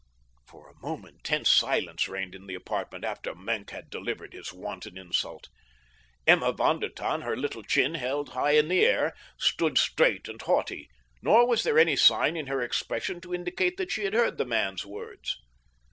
For a moment tense silence reigned in the apartment after Maenck had delivered his wanton insult. Emma von der Tann, her little chin high in the air, stood straight and haughty, nor was there any sign in her expression to indicate that she had heard the man's words.